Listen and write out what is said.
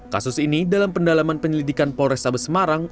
kasus ini dalam pendalaman penyelidikan polres sabes semarang